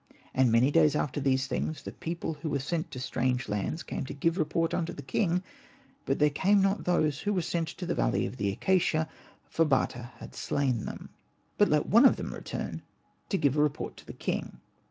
And many days after these things the people who were sent to strange lands came to give report unto the king : but there came not those who went to the valley of the acacia, for Bata had slain them, but let one of them return to give a report to the king.